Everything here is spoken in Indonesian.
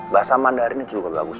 bahasa mandarinnya juga bagus